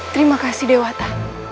terima kasih dewata